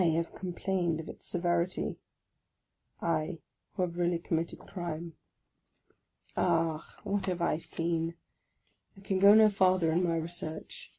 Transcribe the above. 7 have complained of its severity !— I who have really com mitted crime — OF A CONDEMNED 53 Ah, what have I seen ! I can go no farther in my research